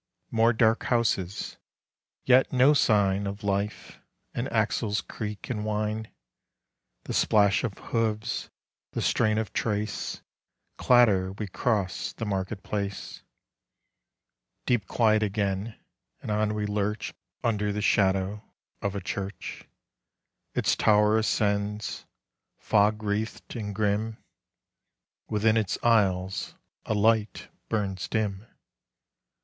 More dark houses, yet no sign Of life.... An axle's creak and whine.... The splash of hooves, the strain of trace.... Clatter: we cross the market place. Deep quiet again, and on we lurch Under the shadow of a church: Its tower ascends, fog wreathed and grim; Within its aisles a light burns dim....